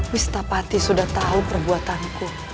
wistapati sudah tau perbuatanku